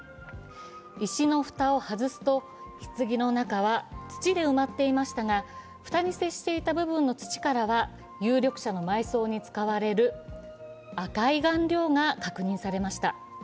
石の蓋を外すと、ひつぎの中は土で埋まっていましたが蓋に接していた部分の土からは有力者の埋葬に使われる赤い顔料が確認されました。